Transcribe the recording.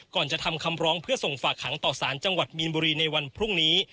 ก่อนจะทำคำร้องเพื่อส่งฝากหางต่อสารจังหวัดมีนบุรีในวันพรุ่งนี้